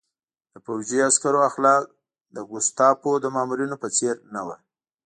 د پوځي عسکرو اخلاق د ګوستاپو د مامورینو په څېر نه وو